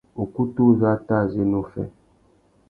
Ukutu uzu a tà zu ena uffê.